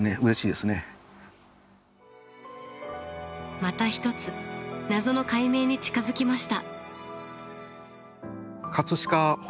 また一つ謎の解明に近づきました。